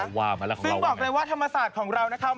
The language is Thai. คือบอกเลยว่าธรรมศาสตร์ของเรานะคะ